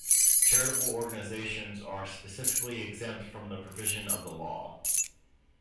Charitable organizations are specifically exempt from the provision of the law.